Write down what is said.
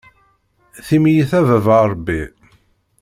Tim-iyi-t a baba Ṛebbi.